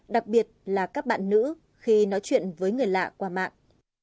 đặc biệt là các bạn nữ khi nói chuyện với người lạ qua mạng